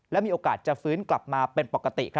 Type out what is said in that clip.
และมีโอกาสจะฟื้นกลับมาเป็นปกติ